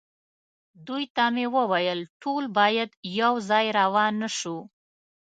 دوی ته مې وویل: ټول باید یو ځای روان نه شو.